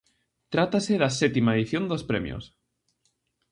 Trátase da sétima edición dos premios.